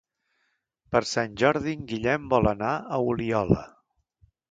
Per Sant Jordi en Guillem vol anar a Oliola.